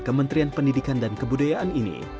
kementerian pendidikan dan kebudayaan ini